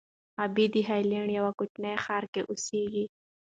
غابي د هالنډ یوه کوچني ښار کې اوسېږي.